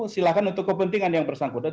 silahkan untuk kepentingan yang bersangkutan